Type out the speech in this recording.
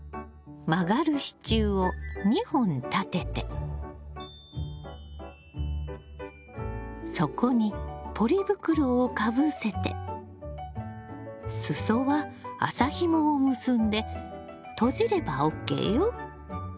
曲がる支柱を２本立ててそこにポリ袋をかぶせて裾は麻ひもを結んで閉じればＯＫよ。